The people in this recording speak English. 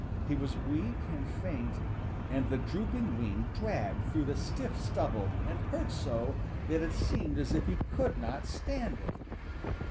He was weak and faint, and the drooping wing dragged through the stiff stubble and hurt so that it seemed as if he could not stand it.